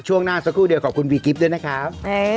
ช่วงหน้าสักครู่เดียวขอบคุณวีกิฟต์ด้วยนะครับ